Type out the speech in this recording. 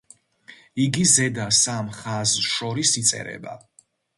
იგი ზედა სამ ხაზს შორის იწერება.